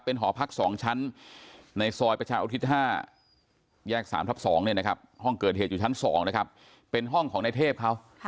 เป็นหอพัก๒ชั้นในซอยประชาอาทิตธ์๕แยก๓๒ห้องเกิดเหตุอยู่ชั้น๒เป็นห้องของนายเทพ